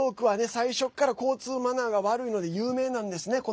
最初から交通マナーが悪いので有名なんですね。